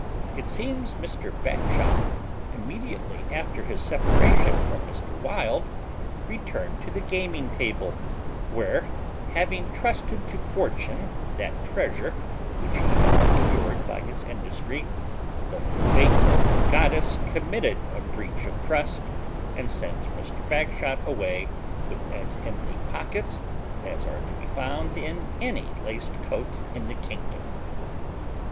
It seems Mr. Bagshot, immediately after his separation from Mr. Wild, returned to the gaming table, where having trusted to fortune that treasure which he had procured by his industry, the faithless goddess committed a breach of trust, and sent Mr. Bagshot away with as empty pockets as are to be found in any laced coat in the kingdom.